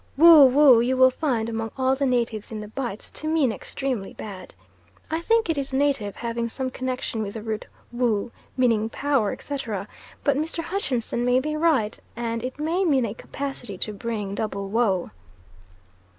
"Woh woh" you will find, among all the natives in the Bights, to mean extremely bad. I think it is native, having some connection with the root Wo meaning power, etc.; but Mr. Hutchinson may be right, and it may mean "a capacity to bring double woe."